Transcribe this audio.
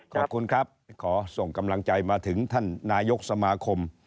ขอบคุณครับขอส่งกำลังใจมาถึงท่านนายกสมาคม